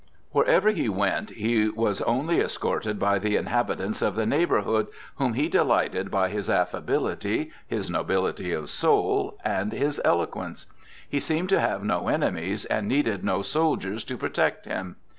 Wherever he went he was only escorted by the inhabitants of the neighborhood, whom he delighted by his affability, his nobility of soul and his eloquence. He seemed to have no enemies and needed no soldiers to protect him.